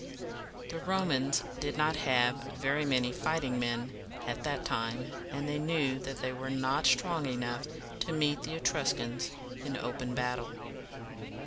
The Romans did not have very many fighting men at that time, and they knew that they were not strong enough to meet the Etruscans in open battle.